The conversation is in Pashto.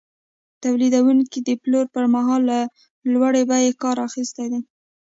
تولیدونکي د پلورلو پر مهال له لوړې بیې کار اخیستی دی